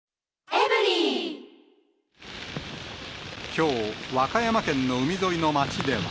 きょう、和歌山県の海沿いの町では。